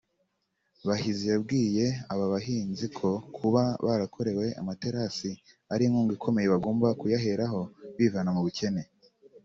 Bahizi yabwiye aba bahinzi ko kuba barakorewe amaterasi ari inkunga ikomeye bagomba kuyaheraho bivana mu bukene